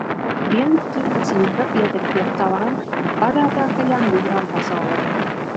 Dienvidķīnas jūra pieder pie salām bagātākajām jūrām pasaulē.